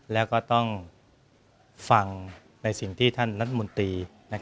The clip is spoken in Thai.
แล้วก็ต้องฟังในสิ่งที่ท่านรัฐมนตรี